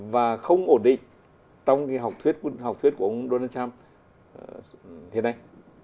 và không ổn định trong cái học thuyết của ông donald trump hiện nay